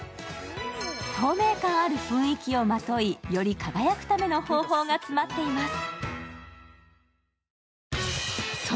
透明感ある雰囲気をまといより輝くための方法が詰まっています。